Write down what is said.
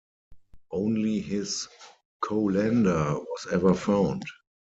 Only his colander was ever found.